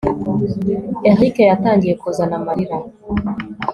erick yatangiye kuzana amarira